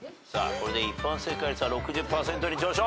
これで一般正解率は６０％に上昇。